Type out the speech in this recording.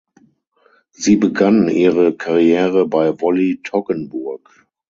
Sie begann ihre Karriere bei Volley Toggenburg.